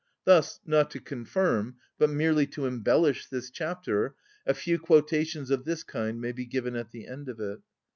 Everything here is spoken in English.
Thus, not to confirm, but merely to embellish this chapter, a few quotations of this kind may be given at the end of it.